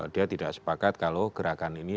dia tidak sepakat kalau gerakan ini